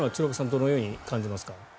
どのように感じますか？